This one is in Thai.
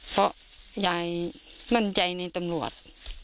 เพราะยายมั่นใจในตำรวจ